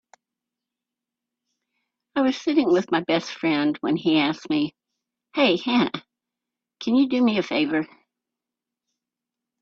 I was sitting with my best friend when he asked me, "Hey Hannah, can you do me a favor?"